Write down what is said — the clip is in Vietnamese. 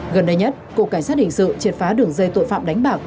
gần đây nhất cục cảnh sát hình sự triệt phá đường dây tội phạm đánh bạc